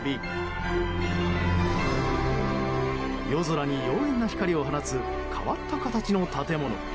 夜空に妖艶な光を放つ変わった形の建物。